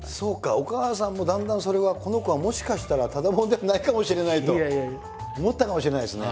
お母さんもだんだんそれはこの子はもしかしたらただ者ではないかもしれないと思ったかもしれないですね。